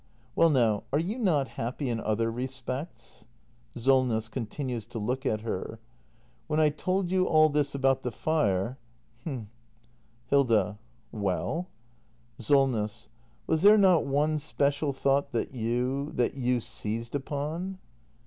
Well, now, are you not happy — in other respects ? SOLNESS. [Continues to look at her.] When I told you all this about the fire — h'm Hilda. Well? SOLNESS. Was there not one special thought that you — that you seized upon